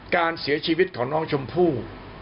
การเสียชีวิตของน้องชมพู่